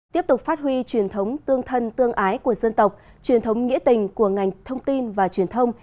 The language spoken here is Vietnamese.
tiếp tục phát huy truyền thống tương thân tương ái của dân tộc truyền thống nghĩa tình của ngành thông tin và truyền thông